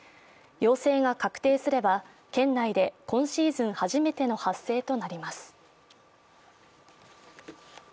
陽性が確定すれば県内で今シーズン初めての発生となります。